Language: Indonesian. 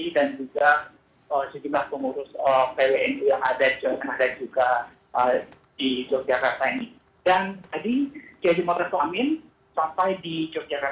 dan juga pemurus yang ada juga di jogjakarta ini dan tadi jadi menerima sampai di jogjakarta